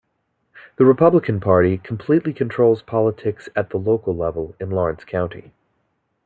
The Republican Party completely controls politics at the local level in Lawrence County.